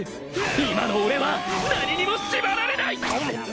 今の俺は何にも縛られない！